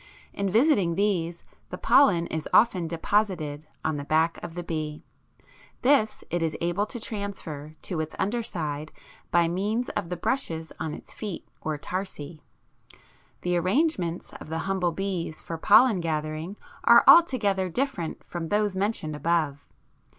In visiting these the pollen is often deposited on the back of the bee; this it is able to transfer to its under side by means of the brushes on its feet or tarsi. The arrangements of the humble bees for pollen gathering are altogether different from those mentioned above.